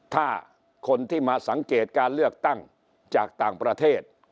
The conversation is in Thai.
ถ้าคนที่มาสังเกตการเลือกตั้งจากต่างประเทศ